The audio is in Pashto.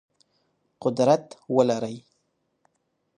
قدرت ولرئ.